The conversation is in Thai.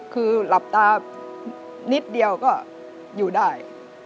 คือหลับตานิดเดียวก็อยู่ได้